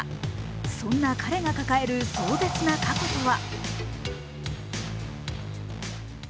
そんな彼が抱える壮絶な過去とは？